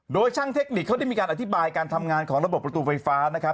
โดยช่างเทคนิคเขาได้มีการอธิบายการทำงานของระบบประตูไฟฟ้านะครับ